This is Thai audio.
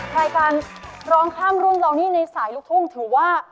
ทายการรองค่ำรุ่นเหล่านี้ในสายลูกทุ่งถือว่า